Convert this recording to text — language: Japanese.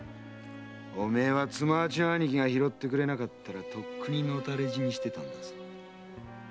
おめえは妻八兄貴が拾ってくれなかったらとっくにのたれ死にしてたんだぞ。